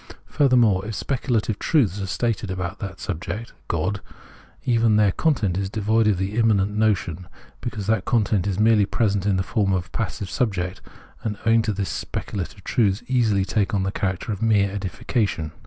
Furthermore, if speculative truths are stated about that subject [God], even then their content is devoid of the immanent notion, because that content is merely present in the form of a passive subject, and owing to this the speculative truths easily take on the character of mere edification.